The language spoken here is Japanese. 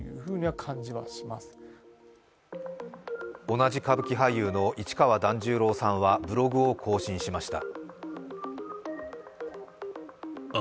同じ歌舞伎俳優の市川團十郎さんは、ブログを更新しました。